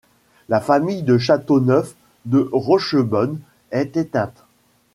La famille de Châteauneuf de Rochebonne est éteinte.